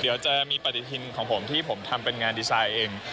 เดี๋ยวจะมีปฏิทินของผมที่ผมทำเป็นงานดีไซน์เอง